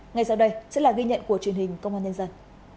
ngay sau đây sẽ là ghi nhận của truyền hình công an nhân dân